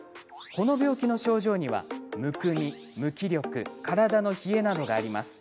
この病気の症状にはむくみ、無気力体の冷えなどがあります。